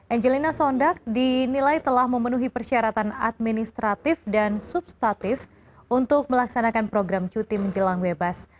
angelina sondak dinilai telah memenuhi persyaratan administratif dan substatif untuk melaksanakan program cuti menjelang bebas